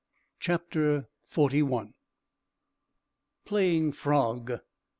CHAPTER FORTY ONE. PLAYING FROG.